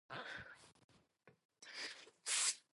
そしてただ、自分の置かれた状況のなかで、最善をつくすべきだ。